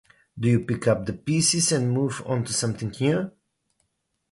Do you pick up the pieces and move onto something new?